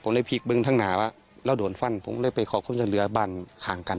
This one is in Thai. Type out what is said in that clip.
ผมเลยพีกปึงทางหนาว่ะแล้วโดนฟันผมเลยไปขอขอบคุณภาษาเรือบ้านข่างกัน